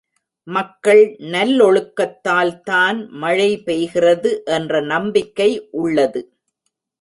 மக்கள் நல்லொழுக்கத்தால்தான் மழை பெய்கிறது என்ற நம்பிக்கை உள்ளது.